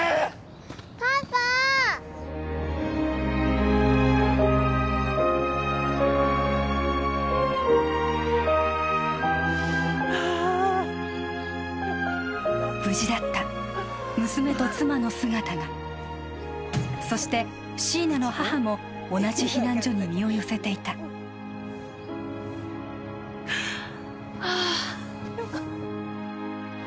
パパ無事だった娘と妻の姿がそして椎名の母も同じ避難所に身を寄せていたあっよかった